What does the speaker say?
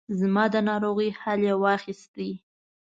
زما د ناروغۍ حال یې واخیست.